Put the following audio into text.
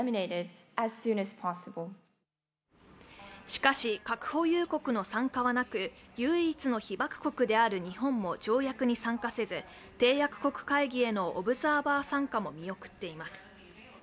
しかし、核保有国の参加はなく、唯一の被爆国である日本も条約に参加せず締約国会議へのオブザーバー参加も見送っています。